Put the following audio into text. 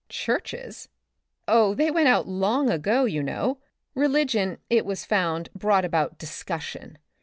"Churches? Oh, they went out long ago, you know. Religion, it was found, brought about discussion.